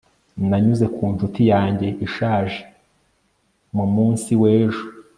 nanyuze ku ncuti yanjye ishaje mu munsi w'ejo